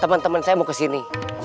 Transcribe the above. temen temen saya mau kesini